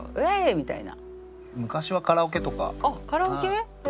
みたいな。